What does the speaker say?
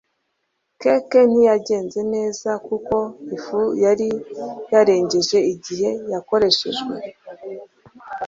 cake ntiyagenze neza kuko ifu yari yarengeje igihe yakoreshejwe